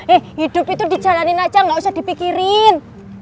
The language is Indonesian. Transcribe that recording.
eh hidup itu dijalanin aja gak usah dipikirin